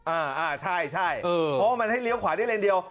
อ่าอ่าใช่ใช่เพราะว่ามันให้เลี้ยวขวาได้เลนเดียว